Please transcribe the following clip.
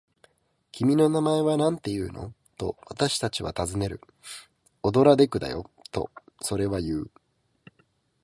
「君の名前はなんていうの？」と、私たちはたずねる。「オドラデクだよ」と、それはいう。